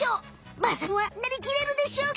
まさるくんはなりきれるでしょうか？